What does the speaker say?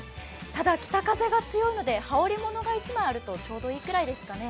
ただ、北風が強いので羽織物が１枚あるとちょうどいいくらいですかね。